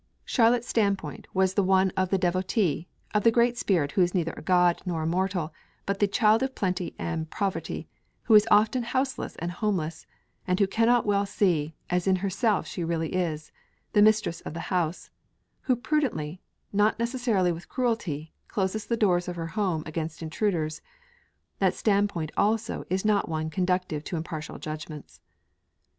Charlotte's standpoint was the one of the devotee, of the great spirit who is neither a god nor a mortal, but the 'Child of plenty and poverty, who is often houseless and homeless' and who cannot well see 'as in herself she really is,' the Mistress of the house; who prudently, not necessarily with cruelty, closes the doors of her home against intruders that standpoint also is not one conducive to impartial judgments.